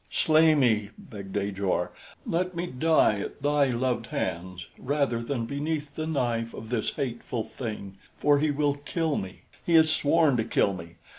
"Slay me!" begged Ajor. "Let me die at thy loved hands rather than beneath the knife of this hateful thing, for he will kill me. He has sworn to kill me.